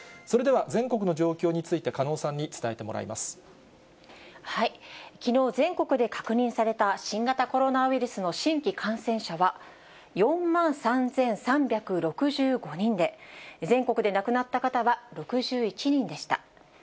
それでは全国の状況について、きのう、全国で確認された新型コロナウイルスの新規感染者は４万３３６５人で、全国で亡くなった方は６１人でした。